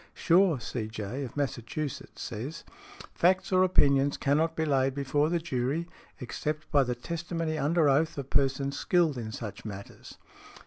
Shaw, C.J., of Massachusetts, says, "Facts or opinions cannot be laid before the jury, except by the testimony under oath of persons skilled in such matters."